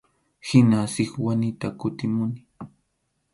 Hina Sikwanita kutimuni.